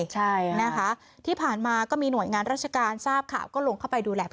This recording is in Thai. ใช่นะคะที่ผ่านมาก็มีหน่วยงานราชการทราบข่าวก็ลงเข้าไปดูแล